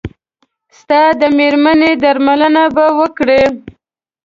ستا د مېرمنې درملنه به وکړي.